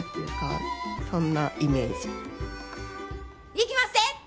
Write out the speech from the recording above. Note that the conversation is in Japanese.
いきまっせ！